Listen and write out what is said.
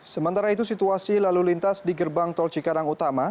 sementara itu situasi lalu lintas di gerbang tol cikarang utama